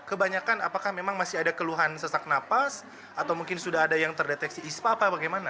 kebanyakan apakah memang masih ada keluhan sesak napas atau mungkin sudah ada yang terdeteksi ispa apa bagaimana